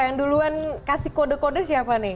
yang duluan kasih kode kode siapa nih